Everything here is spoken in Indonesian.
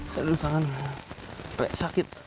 tadi tangan kayak sakit